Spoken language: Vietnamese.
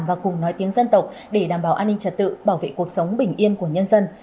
và cùng nói tiếng dân tộc để đảm bảo an ninh trật tự bảo vệ cuộc sống bình yên của nhân dân